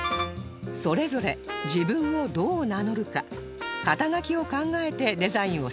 それぞれ自分をどう名乗るか肩書を考えてデザインを作成